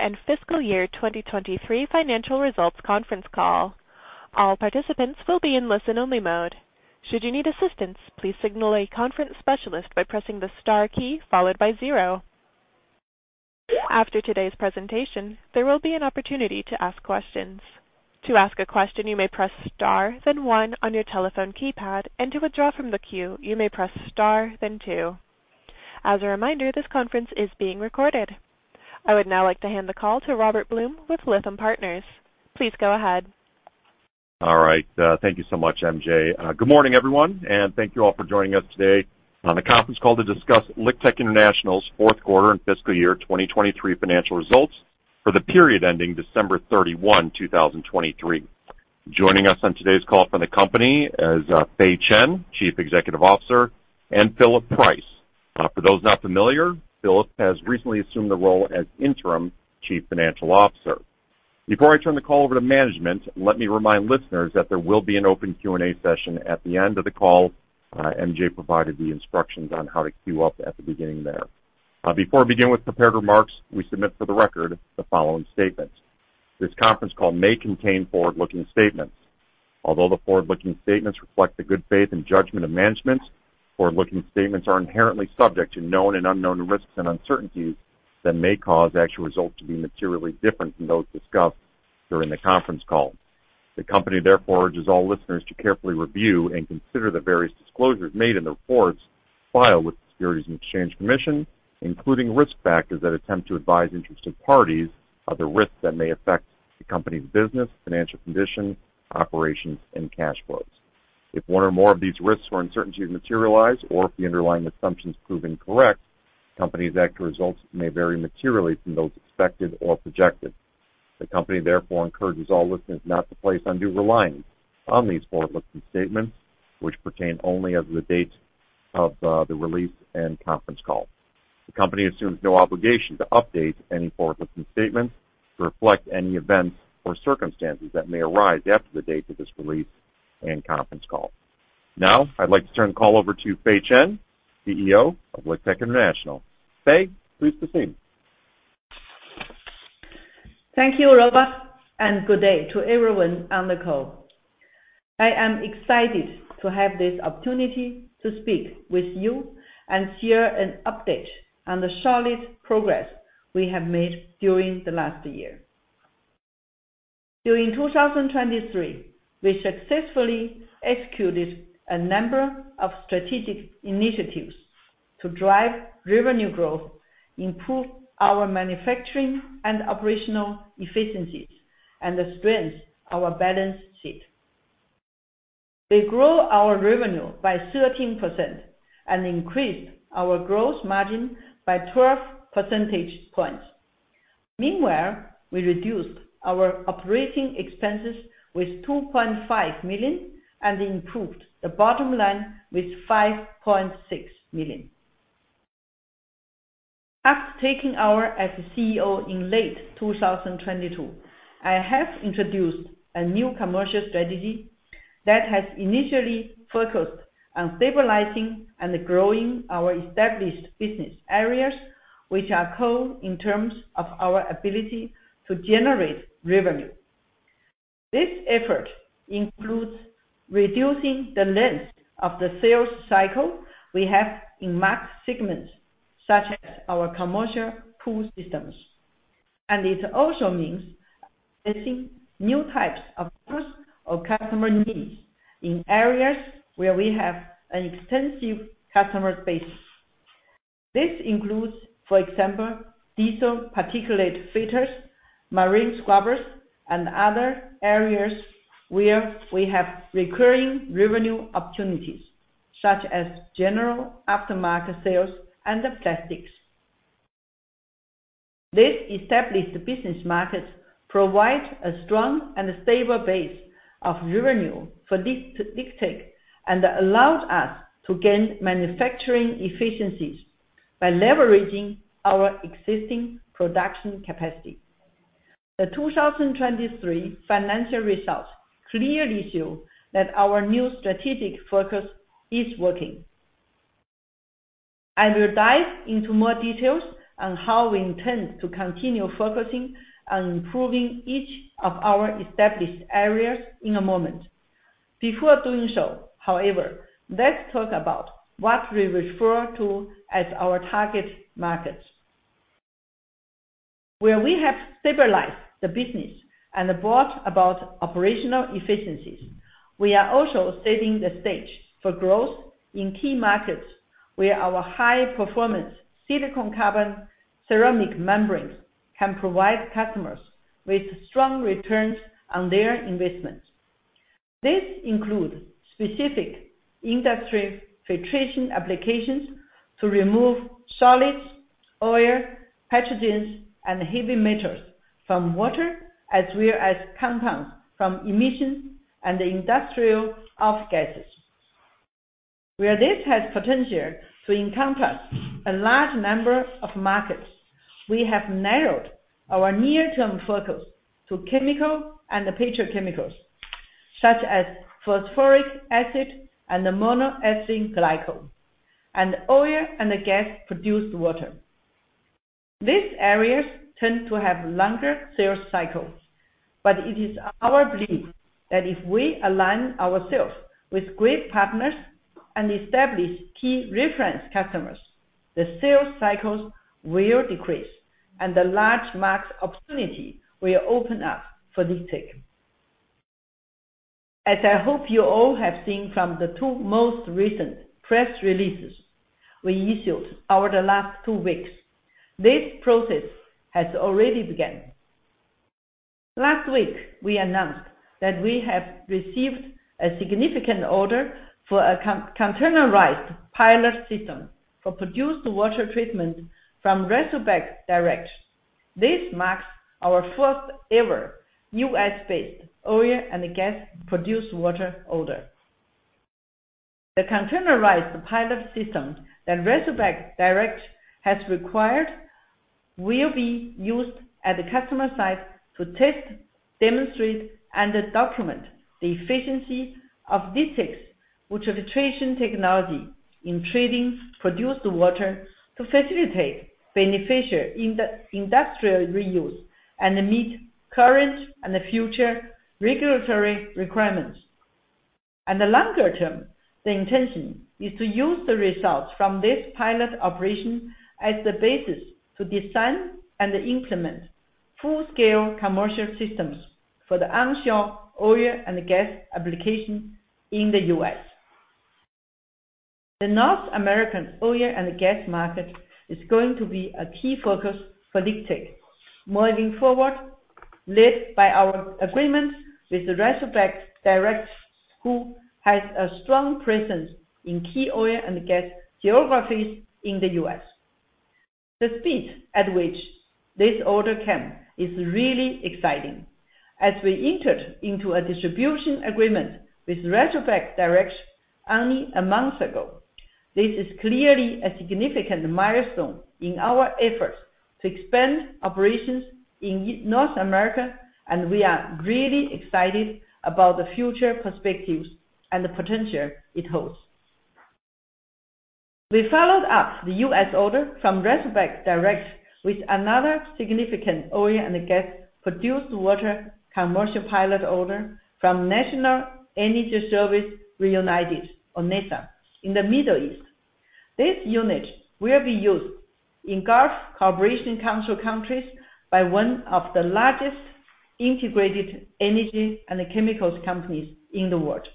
Call Fourth Quarter and Fiscal Year 2023 Financial Results Conference Call. All participants will be in listen-only mode. Should you need assistance, please signal a conference specialist by pressing the star key followed by 0. After today's presentation, there will be an opportunity to ask questions. To ask a question, you may press star then one on your telephone keypad, and to withdraw from the queue, you may press star then two. As a reminder, this conference is being recorded. I would now like to hand the call to Robert Blum with Lithium Partners. Please go ahead. All right. Thank you so much, MJ. Good morning, everyone, and thank you all for joining us today on the conference call to discuss LiqTech International's fourth quarter and fiscal year 2023 financial results for the period ending December 31, 2023. Joining us on today's call from the company is Fei Chen, Chief Executive Officer, and Philip Price. For those not familiar, Philip has recently assumed the role as Interim Chief Financial Officer. Before I turn the call over to management, let me remind listeners that there will be an open Q&A session at the end of the call. MJ provided the instructions on how to queue up at the beginning there. Before I begin with prepared remarks, we submit for the record the following statements. This conference call may contain forward-looking statements. Although the forward-looking statements reflect the good faith and judgment of management, forward-looking statements are inherently subject to known and unknown risks and uncertainties that may cause actual results to be materially different from those discussed during the conference call. The company therefore urges all listeners to carefully review and consider the various disclosures made in the reports filed with the Securities and Exchange Commission, including risk factors that attempt to advise interested parties of the risks that may affect the company's business, financial condition, operations, and cash flows. If one or more of these risks or uncertainties materialize or if the underlying assumptions prove incorrect, the company's actual results may vary materially from those expected or projected. The company therefore encourages all listeners not to place undue reliance on these forward-looking statements, which pertain only as of the date of the release and conference call. The company assumes no obligation to update any forward-looking statements to reflect any events or circumstances that may arise after the date of this release and conference call. Now, I'd like to turn the call over to Fei Chen, CEO of LiqTech International. Fei, please proceed. Thank you, Robert, and good day to everyone on the call. I am excited to have this opportunity to speak with you and share an update on the solid progress we have made during the last year. During 2023, we successfully executed a number of strategic initiatives to drive revenue growth, improve our manufacturing and operational efficiencies, and strengthen our balance sheet. We grew our revenue by 13% and increased our gross margin by 12 percentage points. Meanwhile, we reduced our operating expenses with $2.5 million and improved the bottom line with $5.6 million. After taking over as CEO in late 2022, I have introduced a new commercial strategy that has initially focused on stabilizing and growing our established business areas, which are core in terms of our ability to generate revenue. This effort includes reducing the length of the sales cycle we have in market segments such as our commercial pool systems, and it also means addressing new types of trust or customer needs in areas where we have an extensive customer base. This includes, for example, diesel particulate filters, marine scrubbers, and other areas where we have recurring revenue opportunities such as general aftermarket sales and plastics. These established business markets provide a strong and stable base of revenue for LiqTech and allowed us to gain manufacturing efficiencies by leveraging our existing production capacity. The 2023 financial results clearly show that our new strategic focus is working. I will dive into more details on how we intend to continue focusing on improving each of our established areas in a moment. Before doing so, however, let's talk about what we refer to as our target markets. Where we have stabilized the business and brought about operational efficiencies, we are also setting the stage for growth in key markets where our high-performance silicon carbide ceramic membranes can provide customers with strong returns on their investments. This includes specific industry filtration applications to remove solids, oil, pathogens, and heavy metals from water as well as compounds from emissions and industrial off-gases. Where this has potential to encompass a large number of markets, we have narrowed our near-term focus to chemical and petrochemicals such as phosphoric acid and monoethylene glycol, and oil and gas-produced water. These areas tend to have longer sales cycles, but it is our belief that if we align ourselves with great partners and establish key reference customers, the sales cycles will decrease and the large market opportunity will open up for LiqTech. As I hope you all have seen from the two most recent press releases we issued over the last two weeks, this process has already begun. Last week, we announced that we have received a significant order for a containerized pilot system for produced water treatment from Razorback Direct. This marks our first-ever U.S.-based oil and gas-produced water order. The containerized pilot system that Razorback Direct has required will be used at the customer site to test, demonstrate, and document the efficiency of LiqTech's water filtration technology in treating produced water to facilitate beneficial industrial reuse and meet current and future regulatory requirements. On the longer term, the intention is to use the results from this pilot operation as the basis to design and implement full-scale commercial systems for the onshore oil and gas application in the U.S. The North American oil and gas market is going to be a key focus for LiqTech, moving forward led by our agreement with Razorback Direct, who has a strong presence in key oil and gas geographies in the U.S. The speed at which this order came is really exciting. As we entered into a distribution agreement with Razorback Direct only a month ago, this is clearly a significant milestone in our efforts to expand operations in North America, and we are really excited about the future perspectives and the potential it holds. We followed up the U.S. order from Razorback Direct with another significant oil and gas-produced water commercial pilot order from National Energy Services Reunited, or NESR, in the Middle East. This unit will be used in Gulf Cooperation Council countries by one of the largest integrated energy and chemicals companies in the world.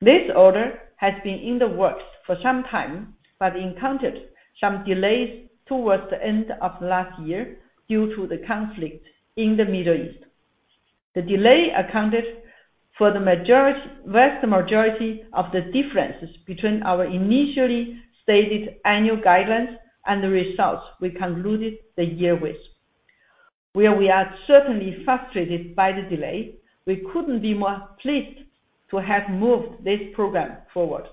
This order has been in the works for some time but encountered some delays towards the end of last year due to the conflict in the Middle East. The delay accounted for the vast majority of the differences between our initially stated annual guidelines and the results we concluded the year with. Where we are certainly frustrated by the delay, we couldn't be more pleased to have moved this program forward.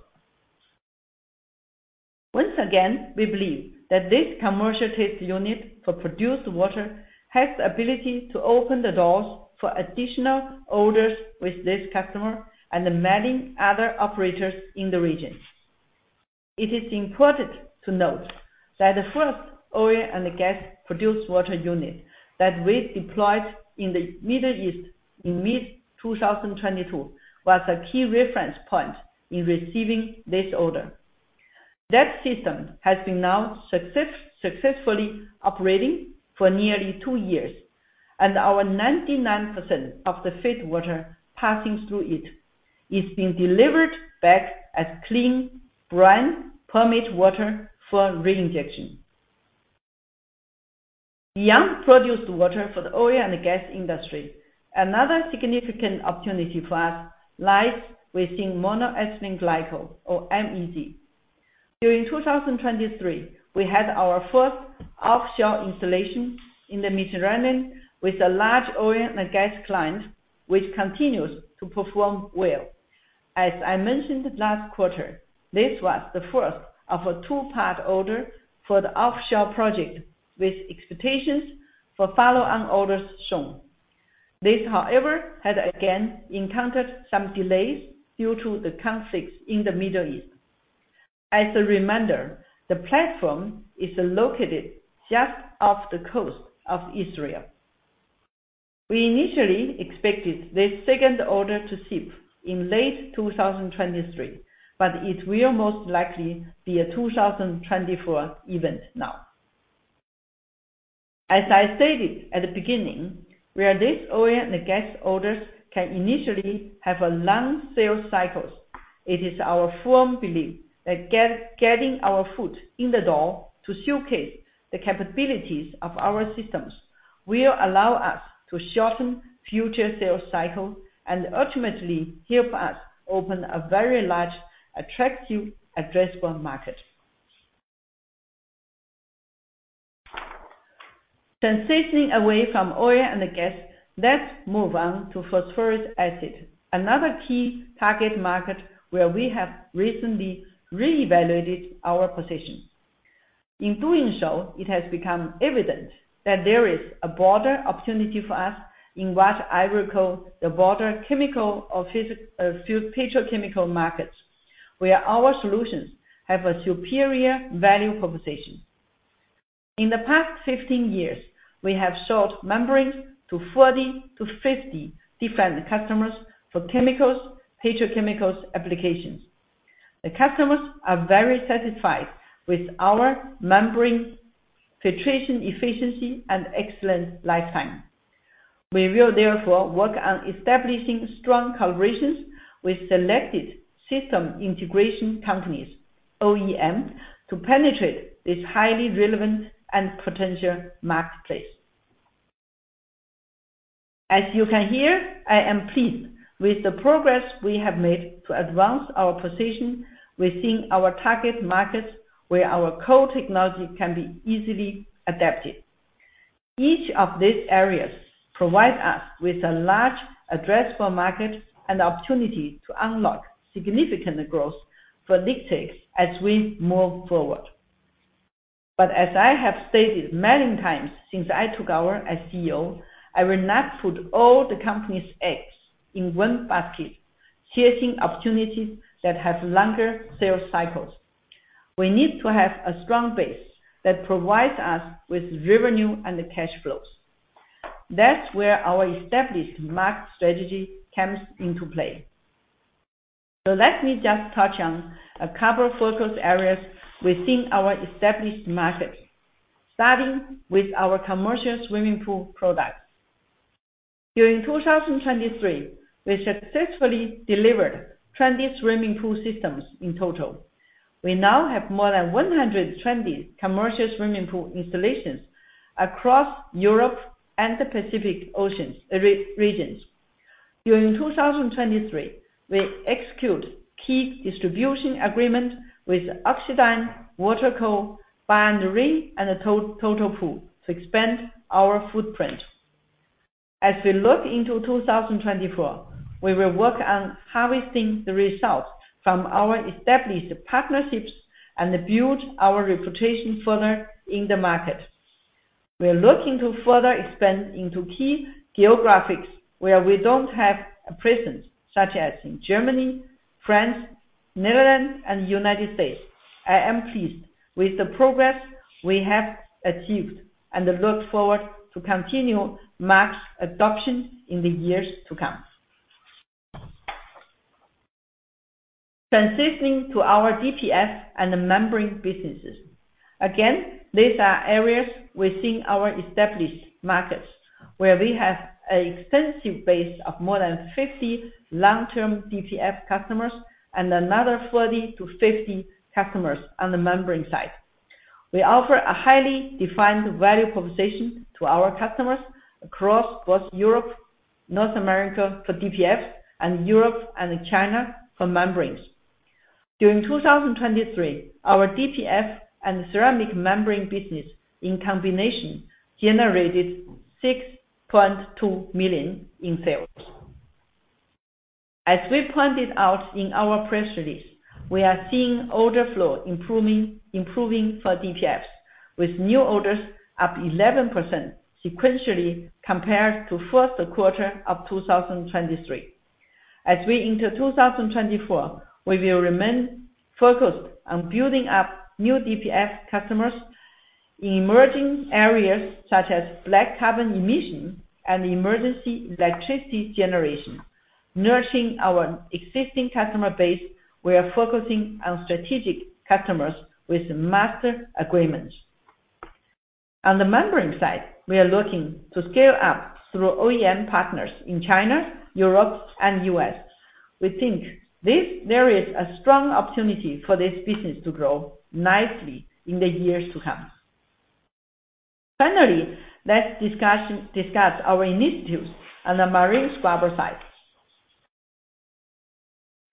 Once again, we believe that this commercial test unit for produced water has the ability to open the doors for additional orders with this customer and mapping other operators in the region. It is important to note that the first oil and gas-produced water unit that we deployed in the Middle East in mid-2022 was a key reference point in receiving this order. That system has been now successfully operating for nearly two years, and our 99% of the filtered water passing through it is being delivered back as clean, brine-permitted water for reinjection. Beyond produced water for the oil and gas industry, another significant opportunity for us lies within monoethylene glycol, or MEG. During 2023, we had our first offshore installation in the Mediterranean with a large oil and gas client, which continues to perform well. As I mentioned last quarter, this was the first of a two-part order for the offshore project with expectations for follow-on orders shown. This, however, had again encountered some delays due to the conflicts in the Middle East. As a reminder, the platform is located just off the coast of Israel. We initially expected this second order to ship in late 2023, but it will most likely be a 2024 event now. As I stated at the beginning, where these oil and gas orders can initially have long sales cycles, it is our firm belief that getting our foot in the door to showcase the capabilities of our systems will allow us to shorten future sales cycles and ultimately help us open a very large, attractive, addressable market. Transitioning away from oil and gas, let's move on to phosphoric acid, another key target market where we have recently reevaluated our position. In doing so, it has become evident that there is a broader opportunity for us in what I would call the broader chemical or petrochemical markets, where our solutions have a superior value proposition. In the past 15 years, we have sold membranes to 40-50 different customers for chemicals, petrochemicals applications. The customers are very satisfied with our membrane filtration efficiency and excellent lifetime. We will therefore work on establishing strong collaborations with selected system integration companies, OEMs, to penetrate this highly relevant and potential marketplace. As you can hear, I am pleased with the progress we have made to advance our position within our target markets where our core technology can be easily adapted. Each of these areas provides us with a large, addressable market and opportunity to unlock significant growth for LiqTech as we move forward. But as I have stated many times since I took over as CEO, I will not put all the companies' eggs in one basket, chasing opportunities that have longer sales cycles. We need to have a strong base that provides us with revenue and cash flows. That's where our established market strategy comes into play. So let me just touch on a couple of focus areas within our established markets, starting with our commercial swimming pool products. During 2023, we successfully delivered 20 swimming pool systems in total. We now have more than 120 commercial swimming pool installations across Europe and the Pacific Ocean regions. During 2023, we executed key distribution agreements with Ocedis, Waterco, Barr + Wray, and Total Pool to expand our footprint. As we look into 2024, we will work on harvesting the results from our established partnerships and build our reputation further in the market. We are looking to further expand into key geographies where we don't have a presence, such as in Germany, France, Netherlands, and the United States. I am pleased with the progress we have achieved and look forward to continuing market adoption in the years to come. Transitioning to our DPF and membrane businesses. Again, these are areas within our established markets where we have an extensive base of more than 50 long-term DPF customers and another 40-50 customers on the membrane side. We offer a highly defined value proposition to our customers across both Europe, North America for DPFs, and Europe and China for membranes. During 2023, our DPF and ceramic membrane business in combination generated $6.2 million in sales. As we pointed out in our press release, we are seeing order flow improving for DPFs, with new orders up 11% sequentially compared to first quarter of 2023. As we enter 2024, we will remain focused on building up new DPF customers in emerging areas such as black carbon emission and emergency electricity generation, nurturing our existing customer base where focusing on strategic customers with master agreements. On the membrane side, we are looking to scale up through OEM partners in China, Europe, and the U.S. We think there is a strong opportunity for this business to grow nicely in the years to come. Finally, let's discuss our initiatives on the marine scrubber side.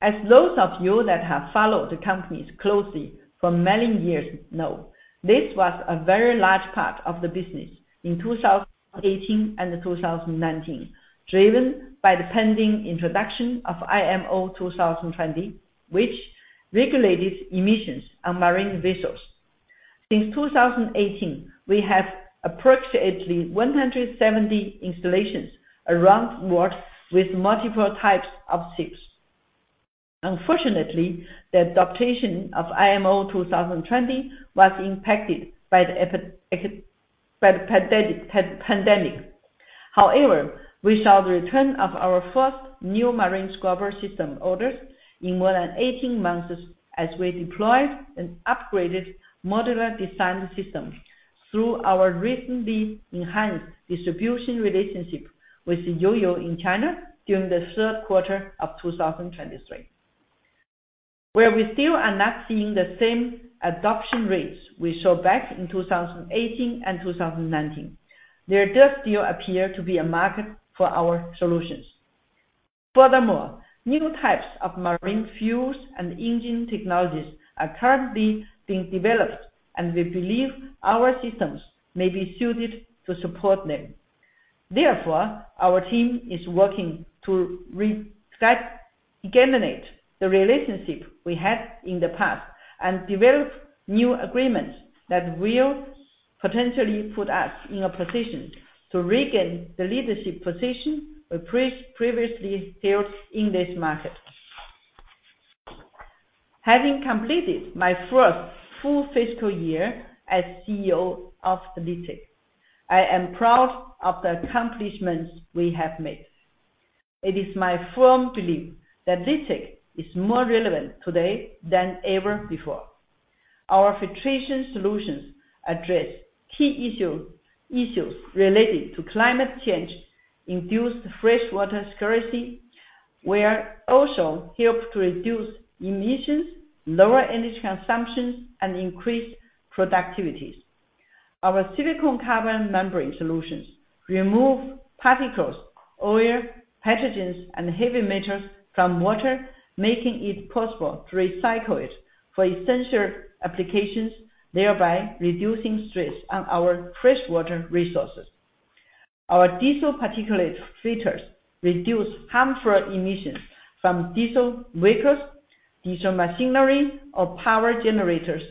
As those of you that have followed the companies closely for many years know, this was a very large part of the business in 2018 and 2019, driven by the pending introduction of IMO 2020, which regulated emissions on marine vessels. Since 2018, we have approximately 170 installations around the world with multiple types of ships. Unfortunately, the adaptation of IMO 2020 was impacted by the pandemic. However, we saw the return of our first new marine scrubber system orders in more than 18 months as we deployed and upgraded modular design systems through our recently enhanced distribution relationship with MOU in China during the third quarter of 2023. Where we still are not seeing the same adoption rates we saw back in 2018 and 2019, there does still appear to be a market for our solutions. Furthermore, new types of marine fuels and engine technologies are currently being developed, and we believe our systems may be suited to support them. Therefore, our team is working to regenerate the relationship we had in the past and develop new agreements that will potentially put us in a position to regain the leadership position we previously held in this market. Having completed my first full fiscal year as CEO of LiqTech, I am proud of the accomplishments we have made. It is my firm belief that LiqTech is more relevant today than ever before. Our filtration solutions address key issues related to climate change, induced freshwater scarcity, will also help to reduce emissions, lower energy consumption, and increase productivity. Our silicon carbide membrane solutions remove particles, oil, pathogens, and heavy metals from water, making it possible to recycle it for essential applications, thereby reducing stress on our freshwater resources. Our diesel particulate filters reduce harmful emissions from diesel vehicles, diesel machinery, or power generators.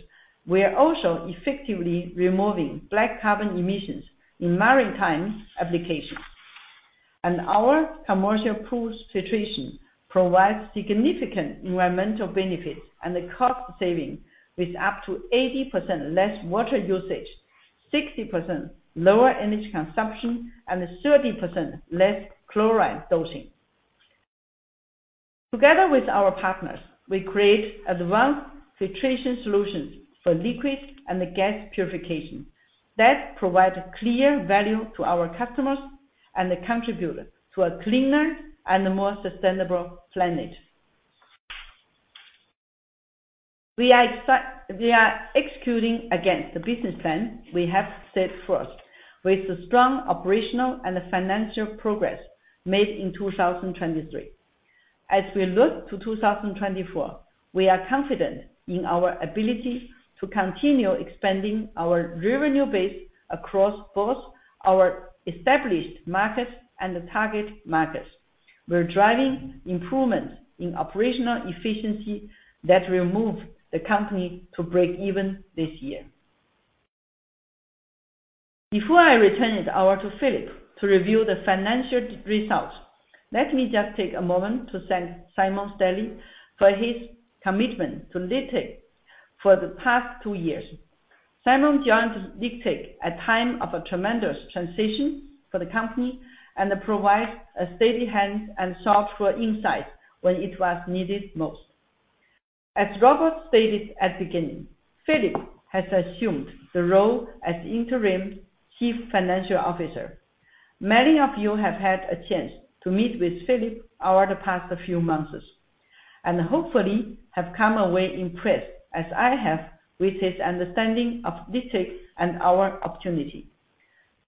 We are also effectively removing black carbon emissions in maritime applications. Our commercial pools filtration provides significant environmental benefits and cost savings with up to 80% less water usage, 60% lower energy consumption, and 30% less chloride dosing. Together with our partners, we create advanced filtration solutions for liquids and gas purification that provide clear value to our customers and contribute to a cleaner and more sustainable planet. We are executing against the business plan we have set forth with strong operational and financial progress made in 2023. As we look to 2024, we are confident in our ability to continue expanding our revenue base across both our established markets and the target markets. We're driving improvements in operational efficiency that will move the company to break even this year. Before I return it over to Philip to review the financial results, let me just take a moment to thank Simon Stadil for his commitment to LiqTech for the past two years. Simon joined LiqTech at a time of a tremendous transition for the company and provides a steady hand and sought-for insights when it was needed most. As Robert stated at the beginning, Philip has assumed the role as Interim Chief Financial Officer. Many of you have had a chance to meet with Philip over the past few months and hopefully have come away impressed as I have with his understanding of LiqTech and our opportunity.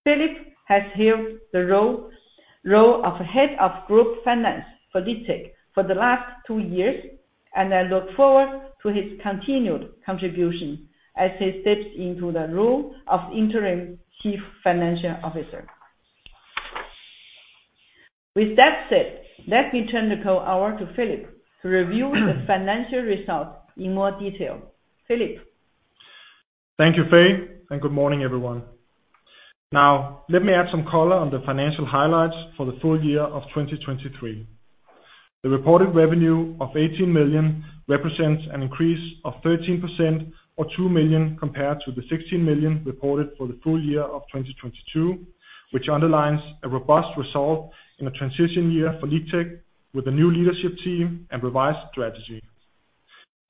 Philip has held the role of head of group finance for LiqTech for the last two years, and I look forward to his continued contribution as he steps into the role of Interim Chief Financial Officer. With that said, let me turn the call over to Philip to review the financial results in more detail. Philip. Thank you, Fei Chen, and good morning, everyone. Now, let me add some color on the financial highlights for the full year of 2023. The reported revenue of $18 million represents an increase of 13% or $2 million compared to the $16 million reported for the full year of 2022, which underlines a robust result in a transition year for LiqTech with a new leadership team and revised strategy.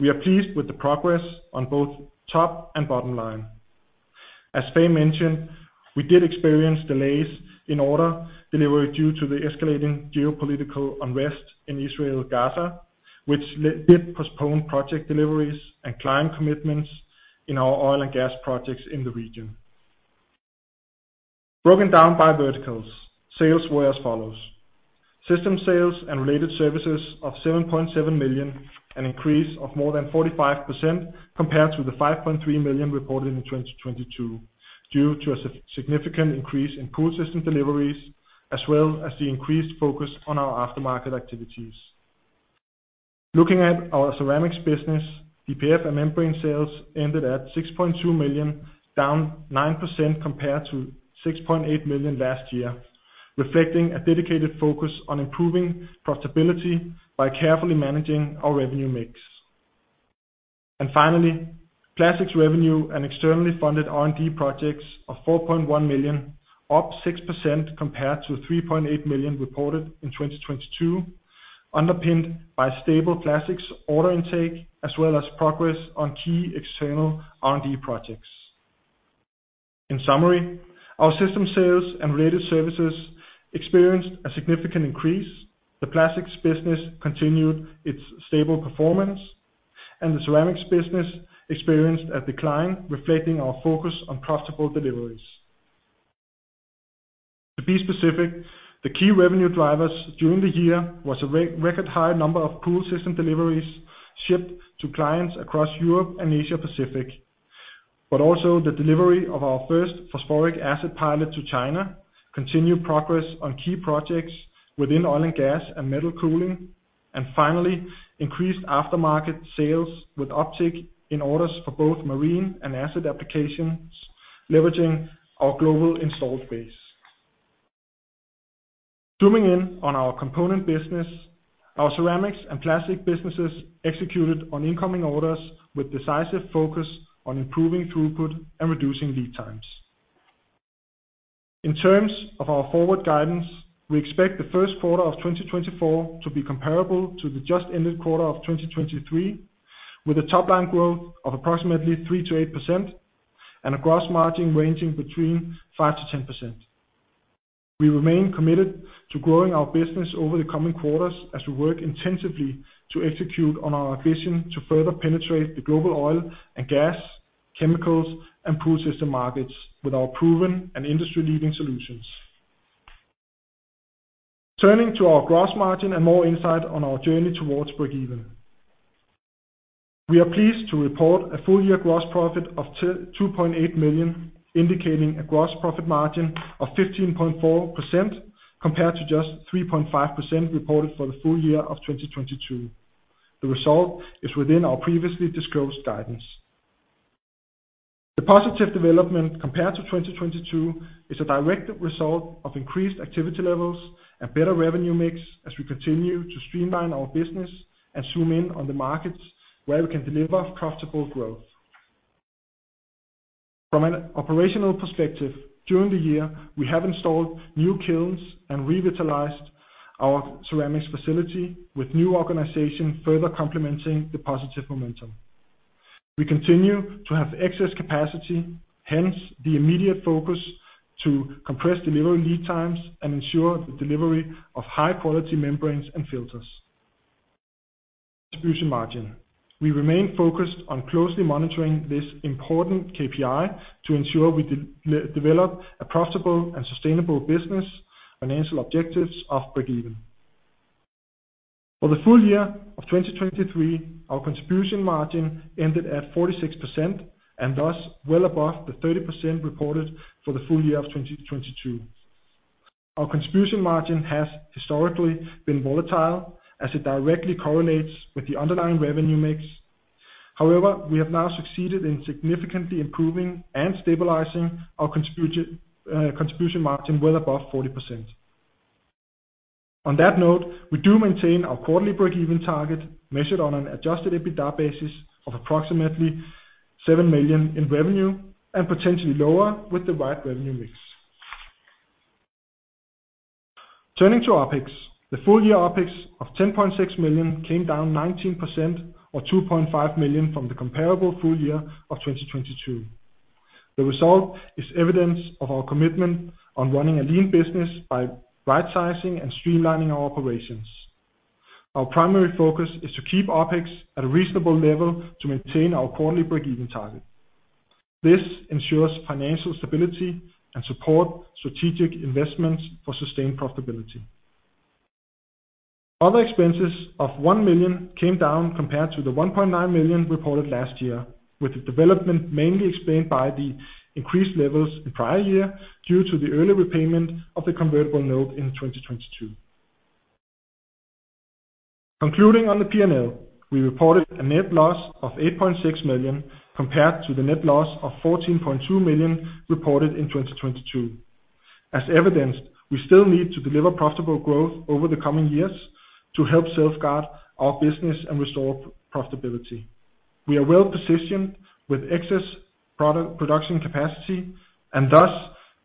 We are pleased with the progress on both top and bottom line. As Fei mentioned, we did experience delays in order delivery due to the escalating geopolitical unrest in Israel-Gaza, which did postpone project deliveries and climate commitments in our oil and gas projects in the region. Broken down by verticals, sales were as follows: system sales and related services of $7.7 million, an increase of more than 45% compared to the $5.3 million reported in 2022 due to a significant increase in pool system deliveries, as well as the increased focus on our aftermarket activities. Looking at our ceramics business, DPF and membrane sales ended at $6.2 million, down 9% compared to $6.8 million last year, reflecting a dedicated focus on improving profitability by carefully managing our revenue mix. Finally, plastics revenue and externally funded R&D projects of $4.1 million, up 6% compared to $3.8 million reported in 2022, underpinned by stable plastics order intake as well as progress on key external R&D projects. In summary, our system sales and related services experienced a significant increase, the plastics business continued its stable performance, and the ceramics business experienced a decline, reflecting our focus on profitable deliveries. To be specific, the key revenue drivers during the year were a record high number of pool system deliveries shipped to clients across Europe and Asia-Pacific, but also the delivery of our first phosphoric acid pilot to China, continued progress on key projects within oil and gas and metal cooling, and finally, increased aftermarket sales with uptick in orders for both marine and acid applications, leveraging our global installed base. Zooming in on our component business, our ceramics and plastic businesses executed on incoming orders with decisive focus on improving throughput and reducing lead times. In terms of our forward guidance, we expect the first quarter of 2024 to be comparable to the just-ended quarter of 2023, with a top-line growth of approximately 3%-8% and a gross margin ranging between 5%-10%. We remain committed to growing our business over the coming quarters as we work intensively to execute on our ambition to further penetrate the global oil and gas, chemicals, and pool system markets with our proven and industry-leading solutions. Turning to our gross margin and more insight on our journey towards break-even. We are pleased to report a full-year gross profit of $2.8 million, indicating a gross profit margin of 15.4% compared to just 3.5% reported for the full year of 2022. The result is within our previously disclosed guidance. The positive development compared to 2022 is a direct result of increased activity levels and better revenue mix as we continue to streamline our business and zoom in on the markets where we can deliver profitable growth. From an operational perspective, during the year, we have installed new kilns and revitalized our ceramics facility, with new organization further complementing the positive momentum. We continue to have excess capacity, hence the immediate focus to compress delivery lead times and ensure the delivery of high-quality membranes and filters. Contribution margin. We remain focused on closely monitoring this important KPI to ensure we develop a profitable and sustainable business. Financial objectives of break-even. For the full year of 2023, our contribution margin ended at 46% and thus well above the 30% reported for the full year of 2022. Our contribution margin has historically been volatile as it directly correlates with the underlying revenue mix. However, we have now succeeded in significantly improving and stabilizing our contribution margin well above 40%. On that note, we do maintain our quarterly break-even target measured on an adjusted EBITDA basis of approximately $7 million in revenue and potentially lower with the right revenue mix. Turning to OpEx. The full-year OpEx of $10.6 million came down 19% or $2.5 million from the comparable full year of 2022. The result is evidence of our commitment on running a lean business by right-sizing and streamlining our operations. Our primary focus is to keep OpEx at a reasonable level to maintain our quarterly break-even target. This ensures financial stability and supports strategic investments for sustained profitability. Other expenses of $1 million came down compared to the $1.9 million reported last year, with the development mainly explained by the increased levels in prior year due to the early repayment of the convertible note in 2022. Concluding on the P&L, we reported a net loss of $8.6 million compared to the net loss of $14.2 million reported in 2022. As evidenced, we still need to deliver profitable growth over the coming years to help safeguard our business and restore profitability. We are well positioned with excess production capacity, and thus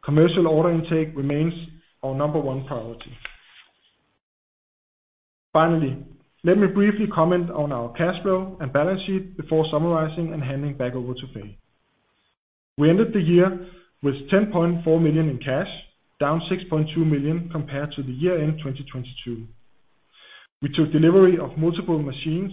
commercial order intake remains our number one priority. Finally, let me briefly comment on our cash flow and balance sheet before summarizing and handing back over to Fei. We ended the year with $10.4 million in cash, down $6.2 million compared to the year-end 2022. We took delivery of multiple machines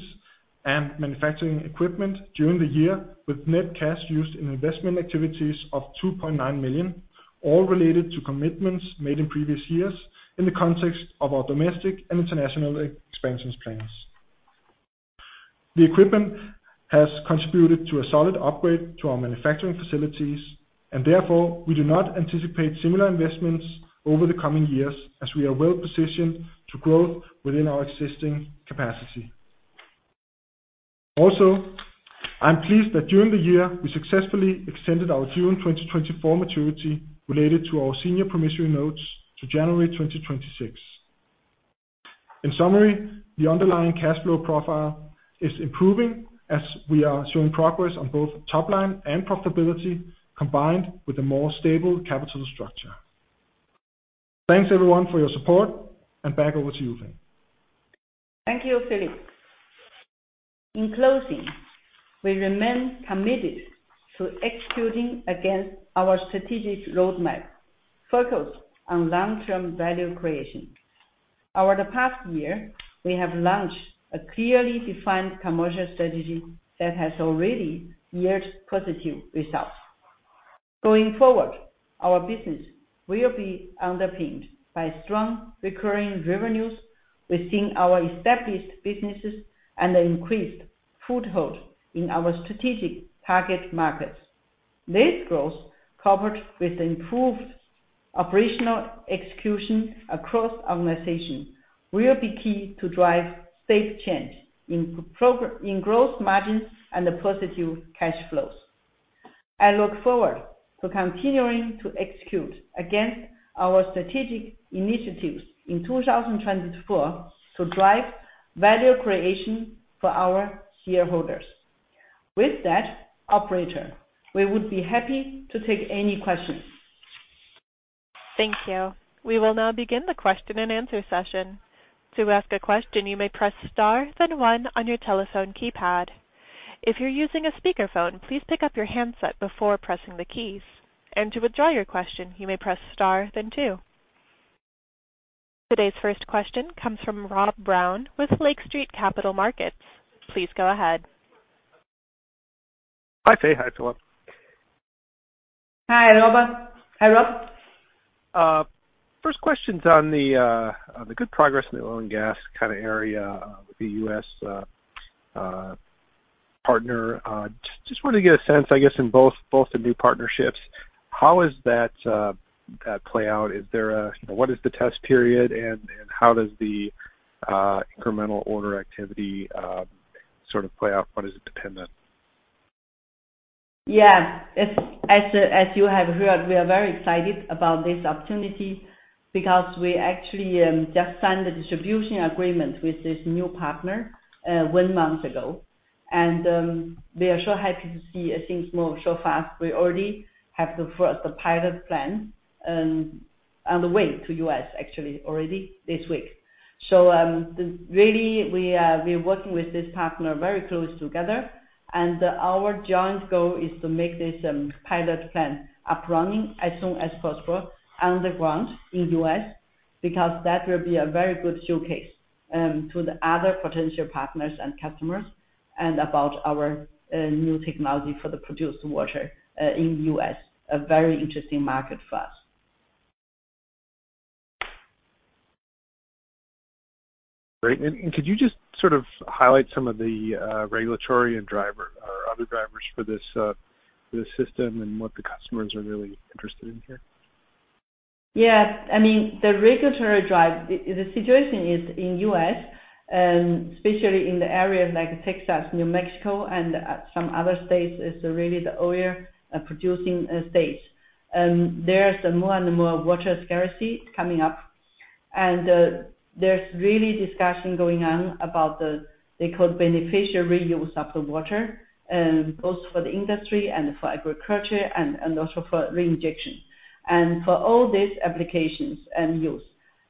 and manufacturing equipment during the year, with net cash used in investment activities of $2.9 million, all related to commitments made in previous years in the context of our domestic and international expansion plans. The equipment has contributed to a solid upgrade to our manufacturing facilities, and therefore, we do not anticipate similar investments over the coming years as we are well positioned to grow within our existing capacity. Also, I'm pleased that during the year, we successfully extended our June 2024 maturity related to our senior promissory notes to January 2026. In summary, the underlying cash flow profile is improving as we are showing progress on both top-line and profitability combined with a more stable capital structure. Thanks, everyone, for your support, and back over to you, Fei. Thank you, Philip. In closing, we remain committed to executing against our strategic roadmap, focused on long-term value creation. Over the past year, we have launched a clearly defined commercial strategy that has already yielded positive results. Going forward, our business will be underpinned by strong recurring revenues within our established businesses and an increased foothold in our strategic target markets. This growth, coupled with improved operational execution across organizations, will be key to drive safe change in growth margins and positive cash flows. I look forward to continuing to execute against our strategic initiatives in 2024 to drive value creation for our shareholders. With that, operator, we would be happy to take any questions. Thank you. We will now begin the question-and-answer session. To ask a question, you may press star, then one, on your telephone keypad. If you're using a speakerphone, please pick up your handset before pressing the keys. To withdraw your question, you may press star, then two. Today's first question comes from Rob Brown with Lake Street Capital Markets. Please go ahead. Hi, Fei. Hi, Philip. Hi, Robert. Hi, Rob. First question's on the good progress in the oil and gas kind of area with the U.S. partner. Just wanted to get a sense, I guess, in both the new partnerships, how does that play out? What is the test period, and how does the incremental order activity sort of play out? What does it depend on? Yeah. As you have heard, we are very excited about this opportunity because we actually just signed the distribution agreement with this new partner one month ago. We are so happy to see things move so fast. We already have the first pilot plant on the way to the U.S., actually, already this week. So really, we are working with this partner very closely together. Our joint goal is to make this pilot plant up and running as soon as possible on the ground in the U.S. because that will be a very good showcase to the other potential partners and customers about our new technology for the produced water in the U.S., a very interesting market for us. Great. Could you just sort of highlight some of the regulatory and other drivers for this system and what the customers are really interested in here? Yeah. I mean, the regulatory drive, the situation is in the U.S., especially in the areas like Texas, New Mexico, and some other states is really the oil-producing states. There's more and more water scarcity coming up. And there's really discussion going on about the, they call it, beneficial reuse of the water, both for the industry and for agriculture and also for reinjection. And for all these applications and use,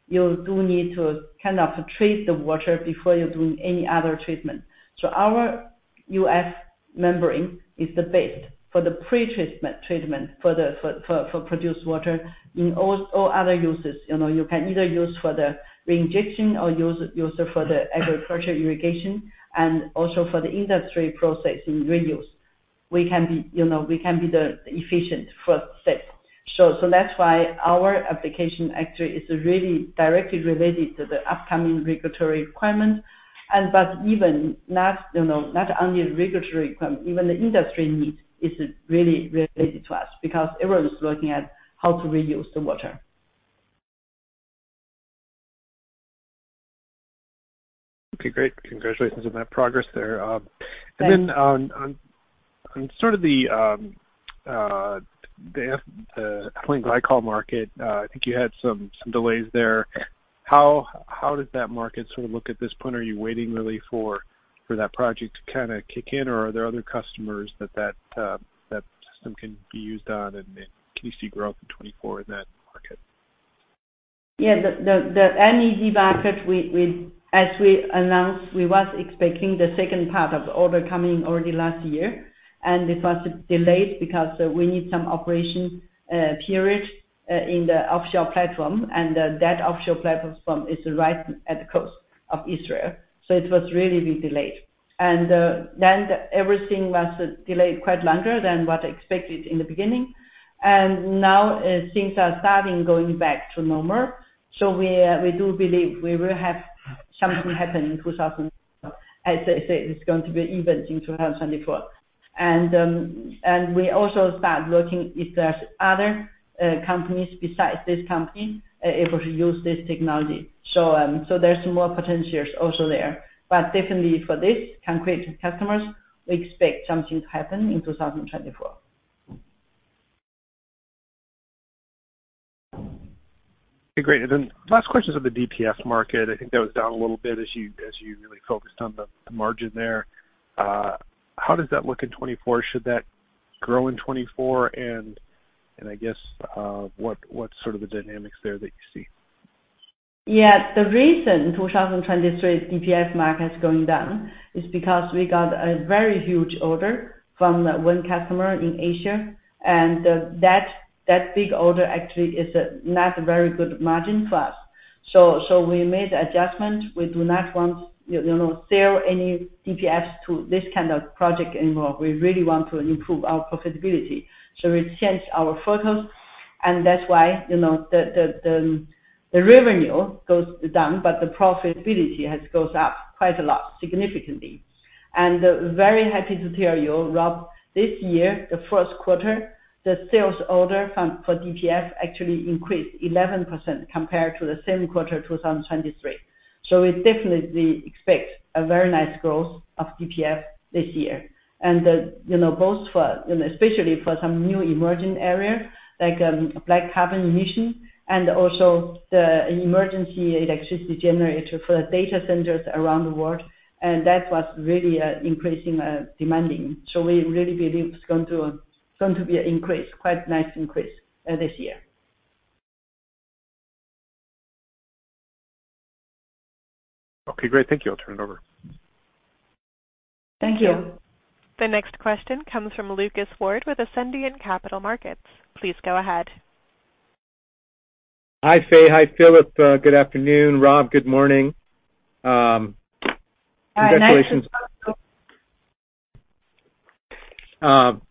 you do need to kind of treat the water before you're doing any other treatment. So our U.S. membrane is the best for the pretreatment for produced water. In all other uses, you can either use for the reinjection or use it for the agriculture irrigation and also for the industry processing reuse. We can be the efficient first step. So that's why our application, actually, is really directly related to the upcoming regulatory requirements. But not only regulatory requirements, even the industry needs is really related to us because everyone's looking at how to reuse the water. Okay. Great. Congratulations on that progress there. And then on sort of the ethylene glycol market, I think you had some delays there. How does that market sort of look at this point? Are you waiting, really, for that project to kind of kick in, or are there other customers that that system can be used on? And can you see growth in 2024 in that market? Yeah. The MED market, as we announced, we were expecting the second part of the order coming already last year. And it was delayed because we need some operation period in the offshore platform. And that offshore platform is right at the coast of Israel. So it was really a big delay. And then everything was delayed quite longer than what I expected in the beginning. And now things are starting going back to normal. So we do believe we will have something happen in 2024. As I say, it's going to be events in 2024. And we also start looking if there are other companies besides this company able to use this technology. So there's more potentials also there. But definitely, for these concrete customers, we expect something to happen in 2024. Okay. Great. And then last question's on the DPF market. I think that was down a little bit as you really focused on the margin there. How does that look in 2024? Should that grow in 2024? And I guess, what's sort of the dynamics there that you see? Yeah. The reason 2023 DPF market's going down is because we got a very huge order from one customer in Asia. That big order, actually, is not a very good margin for us. So we made adjustments. We do not want to sell any DPFs to this kind of project anymore. We really want to improve our profitability. So we changed our focus. That's why the revenue goes down, but the profitability goes up quite a lot, significantly. Very happy to tell you, Rob, this year, the first quarter, the sales order for DPF actually increased 11% compared to the same quarter, 2023. So we definitely expect a very nice growth of DPF this year, both especially for some new emerging areas like black carbon emission and also the emergency electricity generator for the data centers around the world. That was really increasing demanding. We really believe it's going to be an increase, quite a nice increase this year. Okay. Great. Thank you. I'll turn it over. Thank you. The next question comes from Lucas Ward with Ascendiant Capital Markets. Please go ahead. Hi, Fei. Hi, Philip. Good afternoon. Rob, good morning. Hi. Congratulations. I'm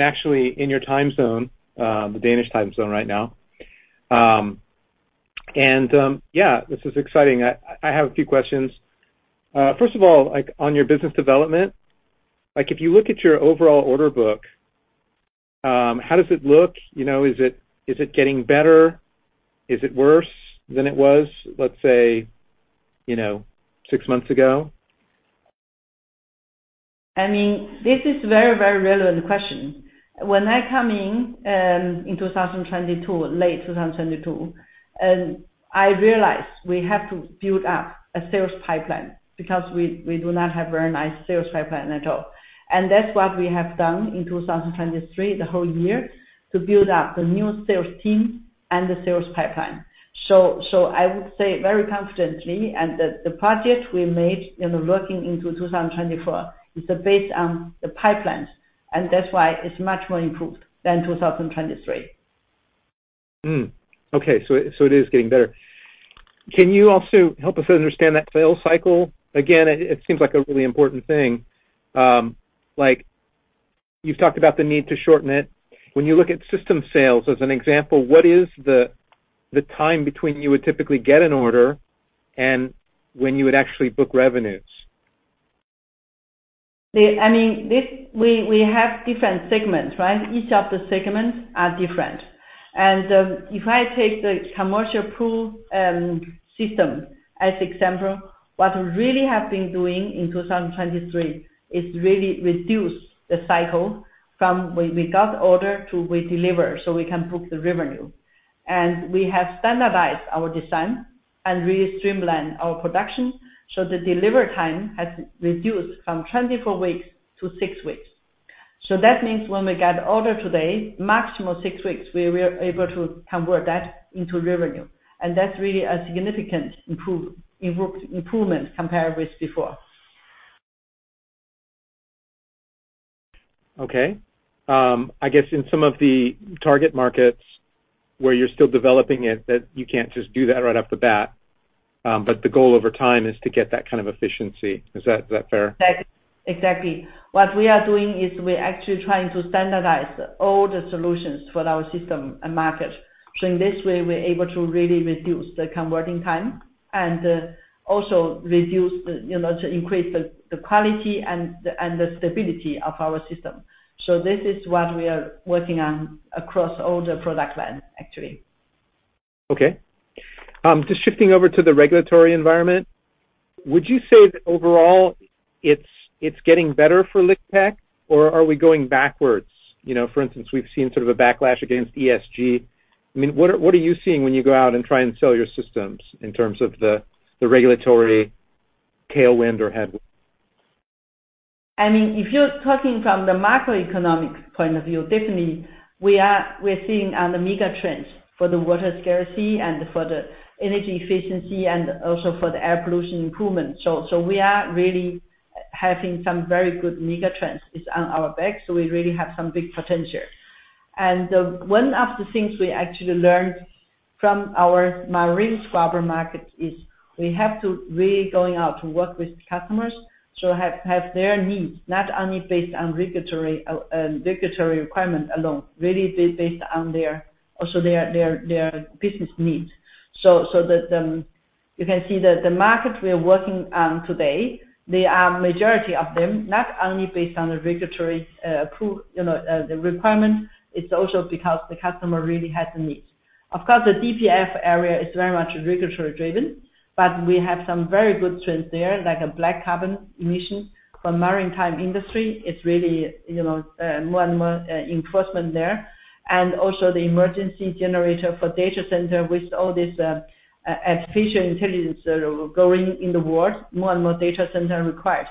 actually in your time zone, the Danish time zone, right now. Yeah, this is exciting. I have a few questions. First of all, on your business development, if you look at your overall order book, how does it look? Is it getting better? Is it worse than it was, let's say, six months ago? I mean, this is a very, very relevant question. When I come in in late 2022, I realized we have to build up a sales pipeline because we do not have a very nice sales pipeline at all. That's what we have done in 2023, the whole year, to build up the new sales team and the sales pipeline. I would say very confidently, and the projection we made looking into 2024 is based on the pipelines. That's why it's much more improved than 2023. Okay. So it is getting better. Can you also help us understand that sales cycle? Again, it seems like a really important thing. You've talked about the need to shorten it. When you look at system sales, as an example, what is the time between you would typically get an order and when you would actually book revenues? I mean, we have different segments, right? Each of the segments are different. And if I take the commercial pool system as an example, what we really have been doing in 2023 is really reduce the cycle from we got the order to we deliver so we can book the revenue. And we have standardized our design and really streamlined our production so the delivery time has reduced from 24 weeks to 6 weeks. So that means when we get the order today, maximum 6 weeks, we were able to convert that into revenue. And that's really a significant improvement compared with before. Okay. I guess in some of the target markets where you're still developing it, you can't just do that right off the bat. But the goal over time is to get that kind of efficiency. Is that fair? Exactly. What we are doing is we're actually trying to standardize all the solutions for our system and market. So in this way, we're able to really reduce the converting time and also increase the quality and the stability of our system. So this is what we are working on across all the product lines, actually. Okay. Just shifting over to the regulatory environment, would you say that overall, it's getting better for LiqTech, or are we going backwards? For instance, we've seen sort of a backlash against ESG. I mean, what are you seeing when you go out and try and sell your systems in terms of the regulatory tailwind or headwind? I mean, if you're talking from the macroeconomic point of view, definitely, we're seeing on the mega trends for the water scarcity and for the energy efficiency and also for the air pollution improvement. So we are really having some very good mega trends. It's on our back. So we really have some big potential. And one of the things we actually learned from our marine scrubber market is we have to really go out to work with customers to have their needs, not only based on regulatory requirement alone, really based on also their business needs. So you can see the market we're working on today, the majority of them, not only based on the regulatory requirement, it's also because the customer really has the needs. Of course, the DPF area is very much regulatory-driven, but we have some very good trends there, like black carbon emission for maritime industry. It's really more and more enforcement there. Also, the emergency generator for data center, with all this artificial intelligence going in the world, more and more data center required.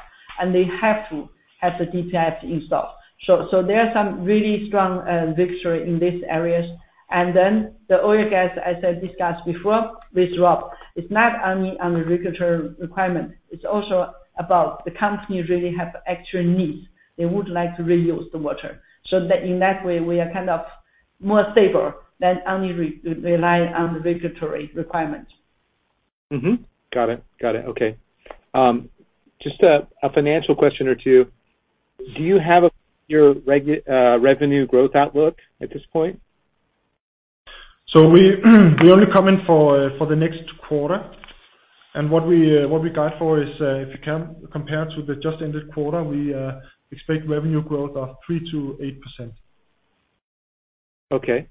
They have to have the DPFs installed. So there are some really strong victories in these areas. Then the oil and gas, as I discussed before with Rob, it's not only on the regulatory requirement. It's also about the company really have actual needs. They would like to reuse the water. So in that way, we are kind of more stable than only relying on the regulatory requirements. Got it. Got it. Okay. Just a financial question or two. Do you have your revenue growth outlook at this point? We only come in for the next quarter. What we guide for is, if you can compare to the just-ended quarter, we expect revenue growth of 3%-8%. Okay.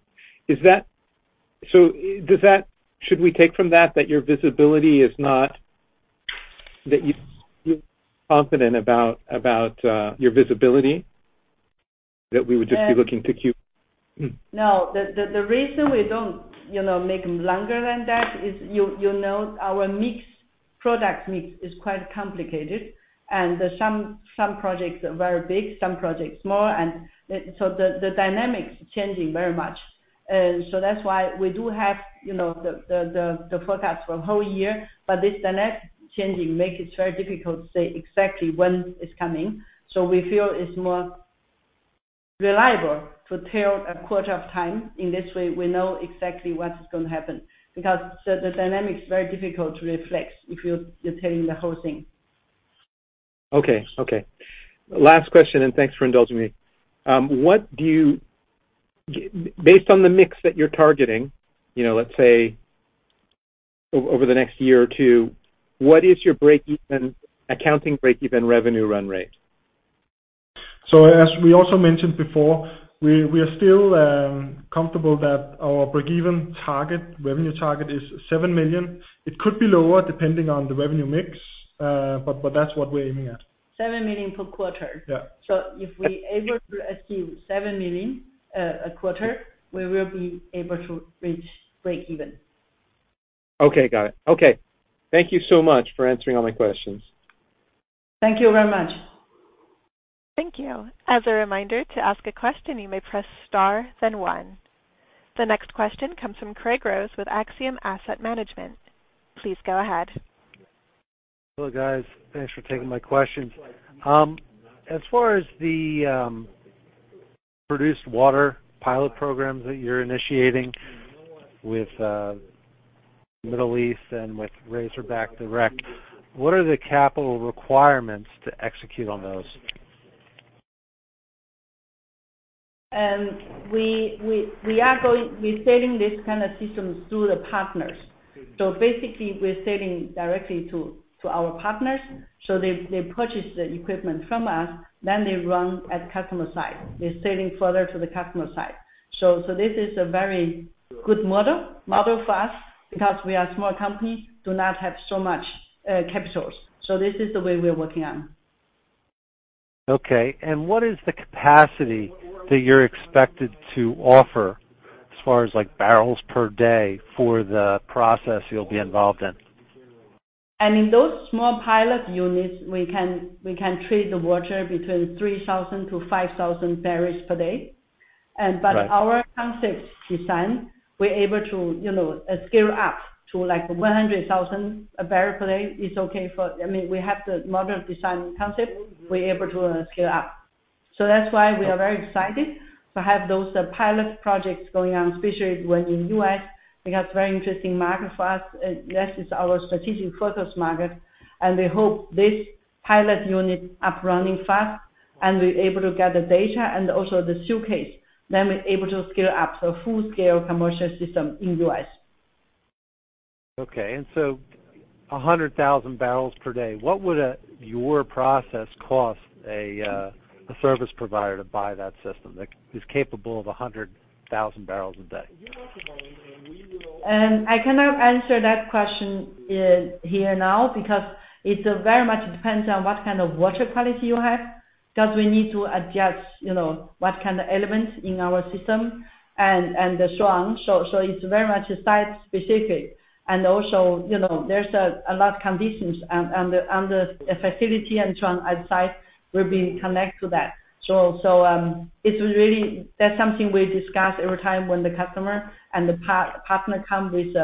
So should we take from that that your visibility is not that you're confident about your visibility, that we would just be looking to cue? No. The reason we don't make them longer than that is you know our product mix is quite complicated. Some projects are very big, some projects small. The dynamics are changing very much. That's why we do have the forecast for the whole year. But this dynamic changing makes it very difficult to say exactly when it's coming. We feel it's more reliable to tell a quarter of time. In this way, we know exactly what is going to happen because the dynamic is very difficult to reflect if you're telling the whole thing. Okay. Okay. Last question, and thanks for indulging me. Based on the mix that you're targeting, let's say, over the next year or two, what is your accounting break-even revenue run rate? So as we also mentioned before, we are still comfortable that our break-even revenue target is $7 million. It could be lower depending on the revenue mix, but that's what we're aiming at. $7 million per quarter. So if we're able to achieve $7 million a quarter, we will be able to reach break-even. Okay. Got it. Okay. Thank you so much for answering all my questions. Thank you very much. Thank you. As a reminder, to ask a question, you may press star, then one. The next question comes from Craig Rose with Axiom Asset Management. Please go ahead. Hello, guys. Thanks for taking my questions. As far as the produced water pilot programs that you're initiating with the Middle East and with Razorback Direct, what are the capital requirements to execute on those? We are selling this kind of systems to the partners. Basically, we're selling directly to our partners. They purchase the equipment from us, then they run at customer sites. They're selling further to the customer sites. This is a very good model for us because we are a small company, do not have so much capitals. This is the way we're working on. Okay. What is the capacity that you're expected to offer as far as barrels per day for the process you'll be involved in? I mean, those small pilot units, we can treat the water between 3,000-5,000 barrels per day. But our concept design, we're able to scale up to 100,000 barrels per day. I mean, we have the model design concept. We're able to scale up. So that's why we are very excited to have those pilot projects going on, especially when in the U.S. because it's a very interesting market for us. This is our strategic focus market. And we hope this pilot unit is up and running fast, and we're able to get the data and also the use case. Then we're able to scale up to a full-scale commercial system in the U.S. Okay. And so 100,000 barrels per day, what would your process cost a service provider to buy that system that is capable of 100,000 barrels a day? I cannot answer that question here now because it very much depends on what kind of water quality you have because we need to adjust what kind of elements in our system and the strainer. So it's very much site-specific. And also, there's a lot of conditions on the facility and strainer outside will be connected to that. So that's something we discuss every time when the customer and the partner come with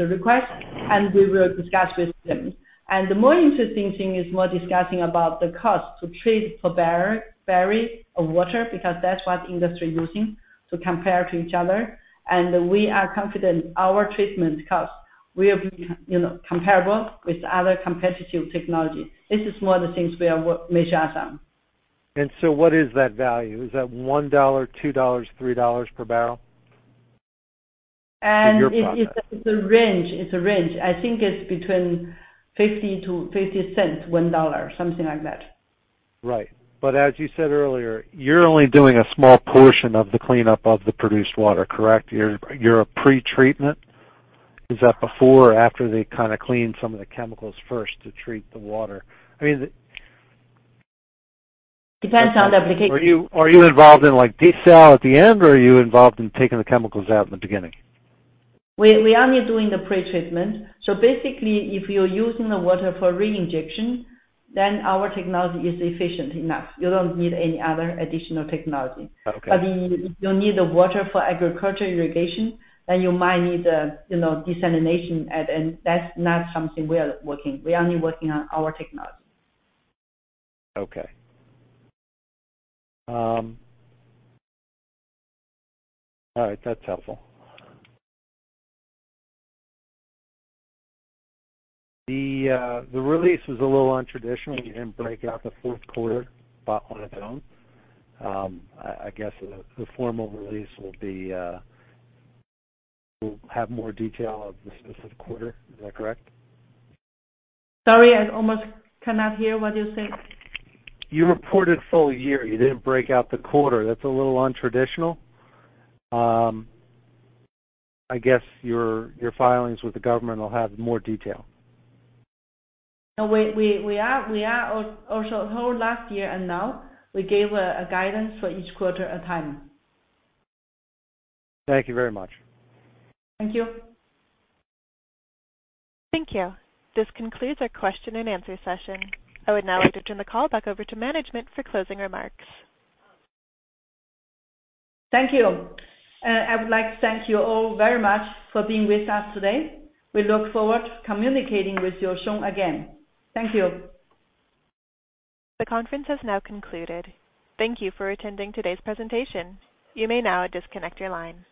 a request, and we will discuss with them. And the more interesting thing is more discussing about the cost to treat per barrel of water because that's what industry is using to compare to each other. And we are confident our treatment cost will be comparable with other competitive technologies. This is more the things we are measuring us on. What is that value? Is that $1, $2, $3 per barrel in your process? It's a range. It's a range. I think it's between $0.50-$1, something like that. Right. But as you said earlier, you're only doing a small portion of the cleanup of the produced water, correct? You're a pretreatment? Is that before or after they kind of clean some of the chemicals first to treat the water? I mean. Depends on the application. Are you involved in detail at the end, or are you involved in taking the chemicals out in the beginning? We are only doing the pretreatment. So basically, if you're using the water for reinjection, then our technology is efficient enough. You don't need any other additional technology. But if you need the water for agriculture irrigation, then you might need the desalination at the end. That's not something we are working. We're only working on our technology. Okay. All right. That's helpful. The release was a little untraditional. You didn't break out the fourth quarter spot on its own. I guess the formal release will have more detail of the specific quarter. Is that correct? Sorry. I almost cannot hear what you said. You reported full year. You didn't break out the quarter. That's a little untraditional. I guess your filings with the government will have more detail. No. We are also the whole last year and now, we gave guidance for each quarter at a time. Thank you very much. Thank you. Thank you. This concludes our question-and-answer session. I would now like to turn the call back over to management for closing remarks. Thank you. I would like to thank you all very much for being with us today. We look forward to communicating with your show again. Thank you. The conference has now concluded. Thank you for attending today's presentation. You may now disconnect your line.